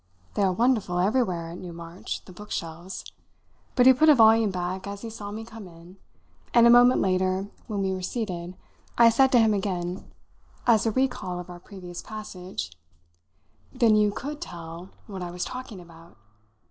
They are wonderful, everywhere, at Newmarch, the bookshelves, but he put a volume back as he saw me come in, and a moment later, when we were seated, I said to him again, as a recall of our previous passage, "Then you could tell what I was talking about!"